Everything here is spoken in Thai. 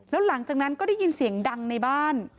แล้วหลังจากนั้นก็ได้ยินเสียงดังในบ้าน